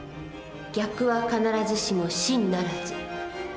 「逆は必ずしも真ならず」。